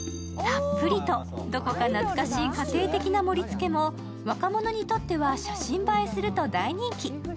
たっぷりと、どこか懐かしい家庭的な盛り付けも、若者にとっては写真映えすると大人気。